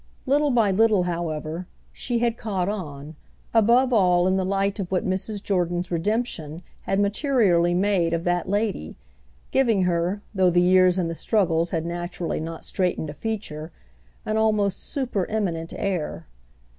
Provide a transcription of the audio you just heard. Little by little, however, she had caught on, above all in the light of what Mrs. Jordan's redemption had materially made of that lady, giving her, though the years and the struggles had naturally not straightened a feature, an almost super eminent air.